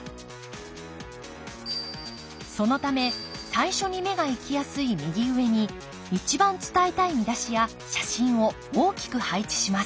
そのため最初に目がいきやすい右上に一番伝えたい見出しや写真を大きく配置します。